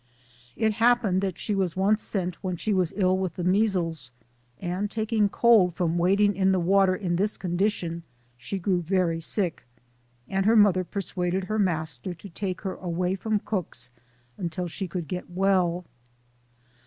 It happened that she was once sent when she was ill with the measles, and, taking cold from wading in the water in this condition, she grew very sick, 74 SOME SCENES IN THE and her mother persuaded her master to take her away from Cook's until she could get well.